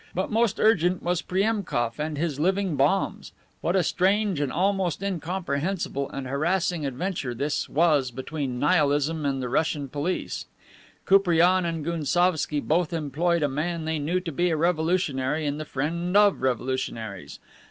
But most urgent was Priemkof and his living bombs. What a strange and almost incomprehensible and harassing adventure this was between Nihilism and the Russian police. Koupriane and Gounsovski both employed a man they knew to be a revolutionary and the friend of revolutionaries.